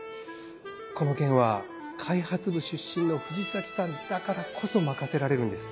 この件は開発部出身の藤崎さんだからこそ任せられるんです